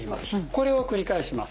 これを繰り返します。